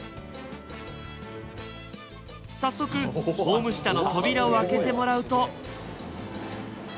早速ホーム下の扉を開けてもらうと。